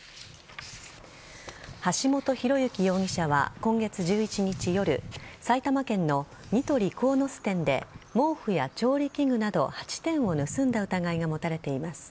橋本寛之容疑者は今月１１日夜埼玉県のニトリ鴻巣店で毛布や調理器具など８点を盗んだ疑いが持たれています。